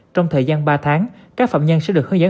trong thời gian ba tháng các phạm nhân sẽ được hướng dẫn